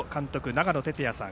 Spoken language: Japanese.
長野哲也さん